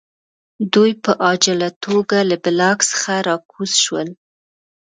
دوی په عاجله توګه له بلاک څخه راکوز شول